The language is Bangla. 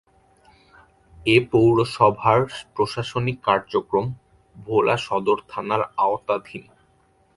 এ পৌরসভার প্রশাসনিক কার্যক্রম ভোলা সদর থানার আওতাধীন।